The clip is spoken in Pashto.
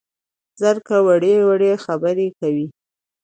زرکه وړې وړې خبرې کوي